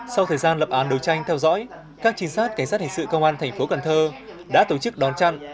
sau thời gian lập án đồ tranh theo dõi các trinh sát cảnh sát hình sự công an thành phố cần thơ đã tổ chức đòn chăn